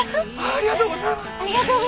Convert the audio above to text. ありがとうございます！